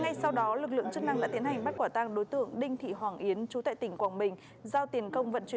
ngay sau đó lực lượng chức năng đã tiến hành bắt quả tăng đối tượng đinh thị hoàng yến chú tại tỉnh quảng bình